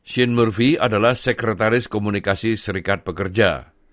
shane murphy adalah sekretaris komunikasi serikat pekerja